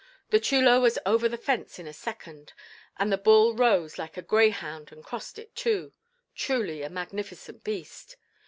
The chulo was over the fence in a second, and the bull rose like a greyhound and crossed it, too. Truly a magnificent beast.